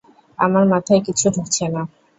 আমার মাথায় কিছু ঢুকছে না!